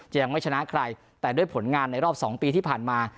ยังไม่ชนะใครแต่ด้วยผลงานในรอบ๒ปีที่ผ่านมา